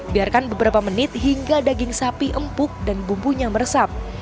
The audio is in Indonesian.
biarkan beberapa menit hingga daging sapi empuk dan bumbunya meresap